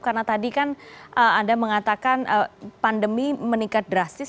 karena tadi kan anda mengatakan pandemi meningkat drastis